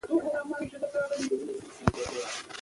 تا خو هېڅکله زما په حق کې بدي نه ده کړى.